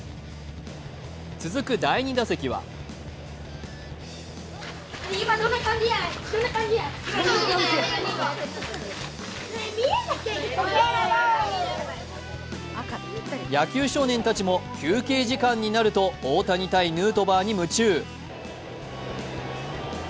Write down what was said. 続く第２打席は野球少年たちも休憩時間になると、大谷対ヌートバーに夢中。